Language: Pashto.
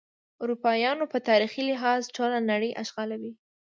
اروپایان په تاریخي لحاظ ټوله نړۍ اشغالوي.